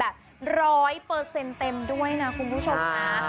ร้อยเปอร์เซ็นต์เต็มด้วยนะคุณผู้ชมนะ